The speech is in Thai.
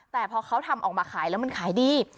แต่พอเขาทำออกมาขายแล้วมันขายดี